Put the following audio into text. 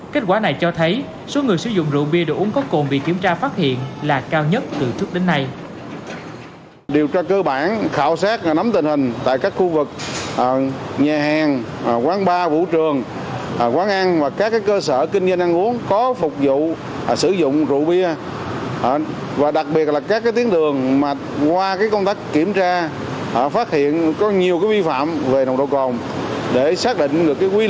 kết quả này cho thấy số người sử dụng rượu bia đồ uống có cồn bị kiểm tra phát hiện là cao nhất từ trước đến nay